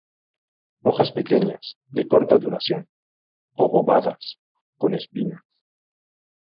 Hojas pequeñas, de corta duración, obovadas, con espinas.